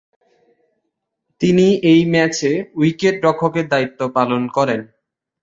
তিনি এই ম্যাচে উইকেট-রক্ষকের দায়িত্ব পালন করেন।